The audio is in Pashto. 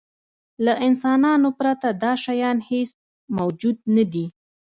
له انسانانو پرته دا شیان هېڅ موجود نهدي.